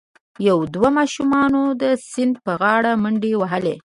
یو دوه ماشومانو د سیند پر غاړه منډې وهلي.